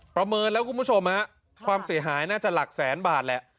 ประเมินแล้วคุณผู้ชมความเสียหายน่าจะหลักแสนบาทแหละ